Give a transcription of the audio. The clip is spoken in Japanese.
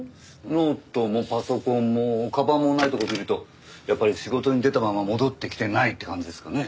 ノートもパソコンもかばんもないところを見るとやっぱり仕事に出たまま戻ってきてないって感じですかね。